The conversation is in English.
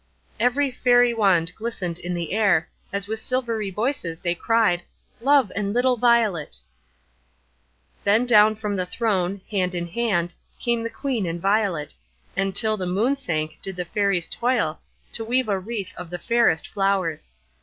Every fairy wand glistened in the air, as with silvery voices they cried, "Love and little Violet." Then down from the throne, hand in hand, came the Queen and Violet, and till the moon sank did the Fairies toil, to weave a wreath of the fairest flowers.